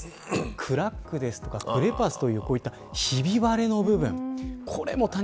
クラックですとかクレバスといったこういった、ひび割れの部分。